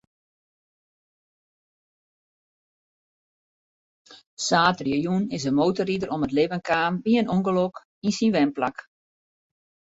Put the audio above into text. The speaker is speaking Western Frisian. Saterdeitejûn is in motorrider om it libben kaam by in ûngelok yn syn wenplak.